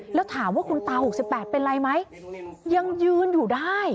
แล้วถามว่าคุณตา๖๘เป็นอะไรไหมยังยืนอยู่ได้